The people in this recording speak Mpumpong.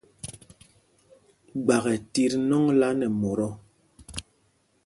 Gbak ɛ tit nɔŋla nɛ mot ɔ̂.